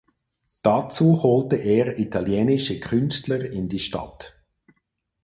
Dazu holte er italienische Künstler in die Stadt.